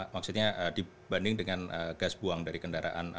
maksudnya dibanding dengan gas buang dari kendaraan